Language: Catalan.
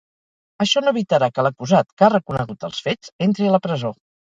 Això no evitarà que l'acusat, que ha reconegut els fets, entri a la presó.